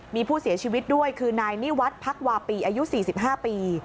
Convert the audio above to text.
มีผู้เสียชีวิตด้วยคือนายนิวัฒน์พักวาปีอายุ๔๕ปี